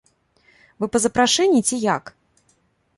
Вы па запрашэнні ці як?